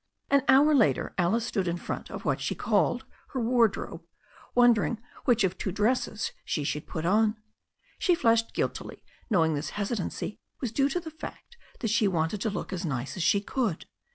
An hour later Alice stood in front of what she called her wardrobe, wondering which of two dresses she should put on. She flushed guiltily, knowing this hesitancy was due to the fact that she wanted to look as nice as she could.